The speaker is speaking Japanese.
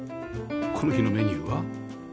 この日のメニューは